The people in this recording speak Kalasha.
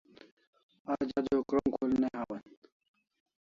Aj adua krom khul ne hawan